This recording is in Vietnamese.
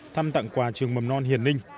thăm tặng quà trường mầm non hiền ninh